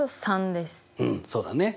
うんそうだね。